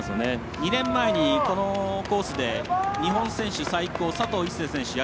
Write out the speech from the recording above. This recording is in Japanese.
２年前にこのコースで日本選手最高佐藤一世選手。